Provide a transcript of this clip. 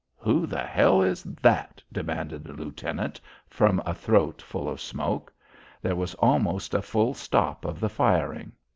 "Who the hell is that?" demanded the lieutenant from a throat full of smoke. There was almost a full stop of the firing.